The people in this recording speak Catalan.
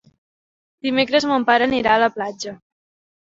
Dimecres mon pare anirà a la platja.